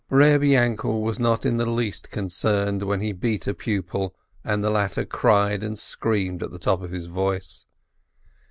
Eeb Yainkel was not in the least concerned when he beat a pupil and the latter cried and screamed at the top of his voice.